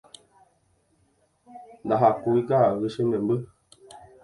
Ndahakúi ka'ay che memby